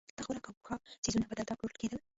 د خوراک او پوښاک څیزونه به دلته پلورل کېدل.